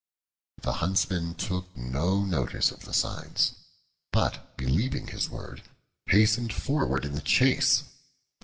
The huntsman took no notice of the signs, but believing his word, hastened forward in the chase.